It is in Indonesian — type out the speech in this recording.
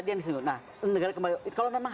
tadi yang disebut nah negara kembali kalau memang